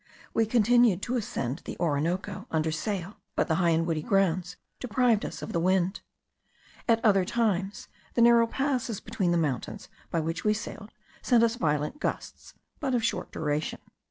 We continued to ascend the Orinoco under sail, but the high and woody grounds deprived us of the wind. At other times the narrow passes between the mountains by which we sailed, sent us violent gusts, but of short duration.